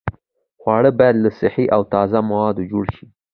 خواړه باید له صحي او تازه موادو جوړ شي.